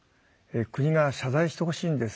国が謝罪してほしいんです。